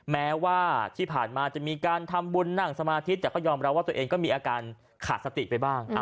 แม้ว่าที่ผ่านมาจะมีการทำบุญนั่งสมาธิแต่ก็ยอมรับว่าตัวเองก็มีอาการขาดสติไปบ้าง